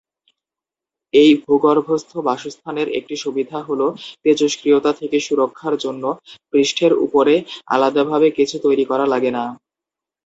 এই ভূগর্ভস্থ বাসস্থানের একটি সুবিধা হলো তেজস্ক্রিয়তা থেকে সুরক্ষার জন্য পৃষ্ঠের উপরে আলাদাভাবে কিছু তৈরী করা লাগে না।